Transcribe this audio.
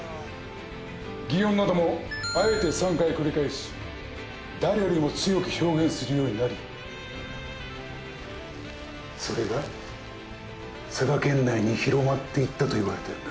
擬音などもあえて３回繰り返し誰よりも強く表現するようになりそれが佐賀県内に広まっていったと言われてるんだ。